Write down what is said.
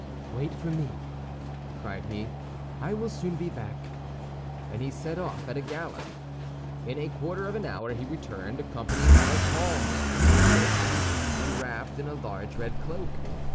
"Wait for me," cried he, "I will soon be back," and he set off at a gallop. In a quarter of an hour he returned, accompanied by a tall man, masked, and wrapped in a large red cloak.